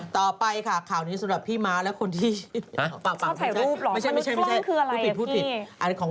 ต่อไปค่ะข่าวนี้สำหรับพี่ม้าและคนที่ว้าวพร้อม